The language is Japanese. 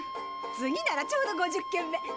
次ならちょうど５０件目。